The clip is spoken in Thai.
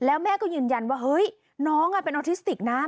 แล้วแม่ก็ยืนยันว่าเฮ้ยน้องเป็นออทิสติกนะ